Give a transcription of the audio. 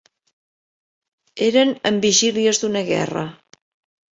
Eren en vigílies d'una guerra.